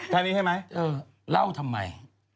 แท้นี้ใช่ไหมเออเล่าทำไม